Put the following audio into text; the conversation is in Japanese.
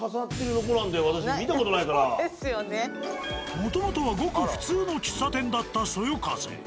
もともとはごく普通の喫茶店だった「そよ風」。